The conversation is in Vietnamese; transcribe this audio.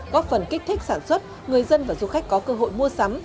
góp phần kích thích sản xuất người dân và du khách có cơ hội mua sắm